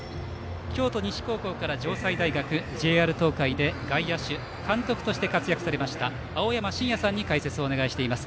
京都西高校から城西大学ＪＲ東海で外野手、監督として活躍されました青山眞也さんに解説をお願いしています。